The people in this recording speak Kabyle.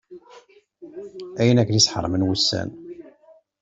Ayen akken i s-ḥeṛmen wussan.